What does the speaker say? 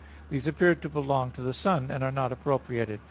These appear to belong to the Son, and are not appropriated.